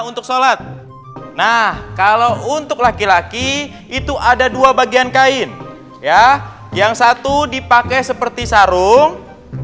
untuk shalwood nah kalau untuk laki laki itu ada dua bagian kain yang satu dipakai seperti sarung nah asli leshire everything is the same as used clothes